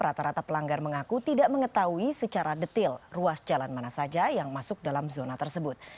rata rata pelanggar mengaku tidak mengetahui secara detail ruas jalan mana saja yang masuk dalam zona tersebut